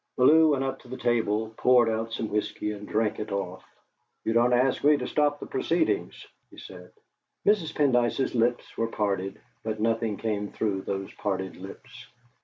Bellew went up to the table, poured out some whisky, and drank it off. "You don't ask me to stop the proceedings," he said. Mrs. Pendyce's lips were parted, but nothing came through those parted lips.